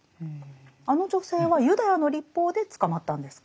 あの女性はユダヤの律法で捕まったんですか？